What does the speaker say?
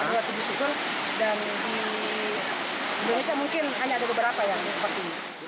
dan di indonesia mungkin hanya ada beberapa yang seperti ini